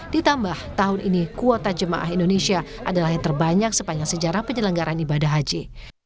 ditambah tahun ini kuota jemaah indonesia adalah yang terbanyak sepanjang sejarah penyelenggaran ibadah haji